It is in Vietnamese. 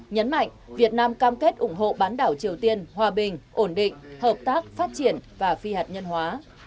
nhấn mạnh việt nam cam kết ủng hộ bán đảo triều tiên hòa bình ổn định hợp tác phát triển và phi hạt nhân hóa